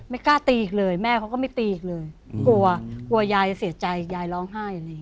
กล้าตีอีกเลยแม่เขาก็ไม่ตีอีกเลยกลัวกลัวยายเสียใจยายร้องไห้